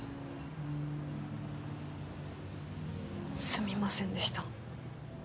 すみませんでした。